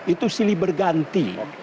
itu silih berganti